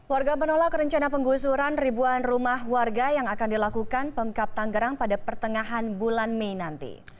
warga menolak rencana penggusuran ribuan rumah warga yang akan dilakukan pemkap tanggerang pada pertengahan bulan mei nanti